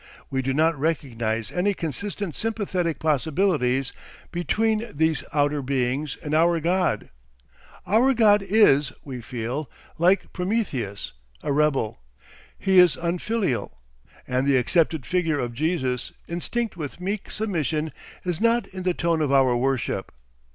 We do not recognise any consistent sympathetic possibilities between these outer beings and our God. Our God is, we feel, like Prometheus, a rebel. He is unfilial. And the accepted figure of Jesus, instinct with meek submission, is not in the tone of our worship.